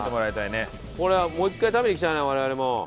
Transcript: これはもう一回食べに行きたいな我々も。